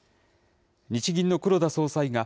日銀の黒田総裁が、